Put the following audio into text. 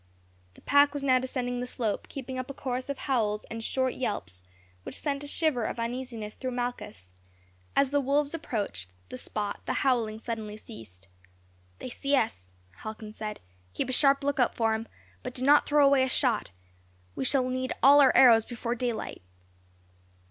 The pack was now descending the slope, keeping up a chorus of howls and short yelps which sent a shiver of uneasiness through Malchus. As the wolves approached the spot the howling suddenly ceased. "They see us," Halcon said; "keep a sharp look out for them, but do not throw away a shot; we shall need all our arrows before daylight."